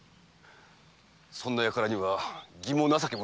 そんな輩には義も情けも通じませぬ。